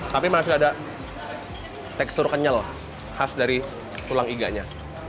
tapi masih ada tekstur kenyal khas dari tulang iganya